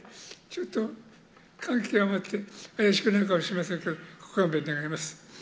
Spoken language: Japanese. ちょっと感極まって怪しくなるかもしれませんけど、ご勘弁願います。